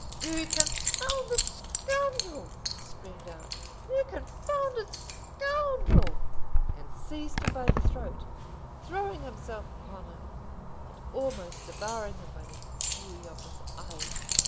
"You confounded scoundrel!" he screamed out. "You confounded scoundrel!" and seized him by the throat, throwing himself upon him, and almost devouring him by the fury of his eyes.